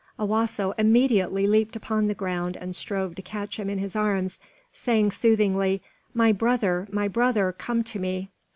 Owasso immediately leaped upon the ground and strove to catch him in his arms, saying soothingly, "My brother! my brother! Come to me."